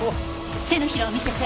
手のひらを見せて。